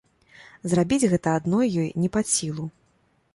Зрабіць гэта адной ёй не пад сілу.